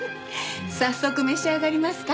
早速召し上がりますか？